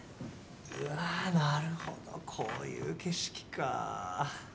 なるほどこういう景色か。